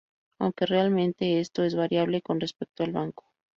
Aunque realmente esto es variable con respecto al banco.